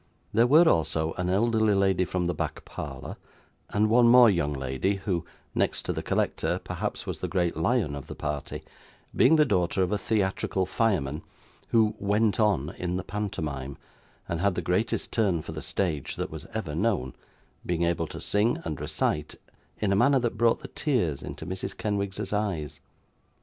There were also an elderly lady from the back parlour, and one more young lady, who, next to the collector, perhaps was the great lion of the party, being the daughter of a theatrical fireman, who 'went on' in the pantomime, and had the greatest turn for the stage that was ever known, being able to sing and recite in a manner that brought the tears into Mrs. Kenwigs's eyes.